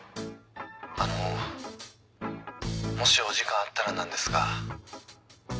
あのもしお時間あったらなんですが。